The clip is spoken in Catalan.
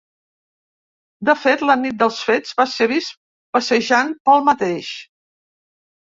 De fet, la nit dels fets va ser vist passejant pel mateix.